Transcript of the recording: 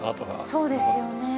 そうですよね。